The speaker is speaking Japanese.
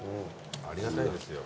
ありがたいですよ。